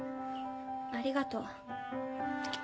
ありがとう。